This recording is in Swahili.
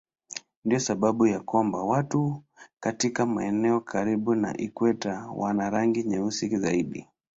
Ndiyo sababu ya kwamba watu katika maeneo karibu na ikweta wana rangi nyeusi zaidi.